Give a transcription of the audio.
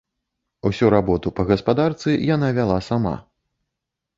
Усю работу па гаспадарцы яна вяла сама.